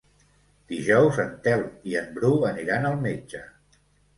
Dijous en Telm i en Bru aniran al metge.